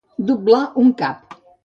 Doblar un cap.